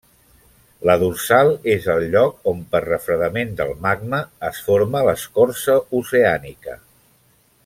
La dorsal és el lloc on per refredament del magma, es forma l'escorça oceànica.